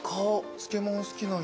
漬物好きなんよ。